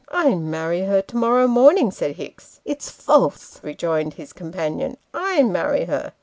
' I marry her to morrow morning," said Hicks. ' It's false," rejoined his companion :" I marry her